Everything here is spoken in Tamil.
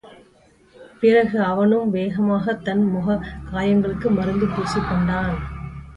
பிறகு, அவனும் வேகமாகத் தன் முகக்காயங்களுக்கு மருந்து பூசிக்கொண்டான்.